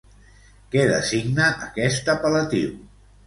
Què designa aquest apel·latiu?